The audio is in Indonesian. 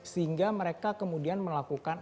sehingga mereka kemudian melakukan